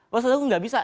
maksud aku gak bisa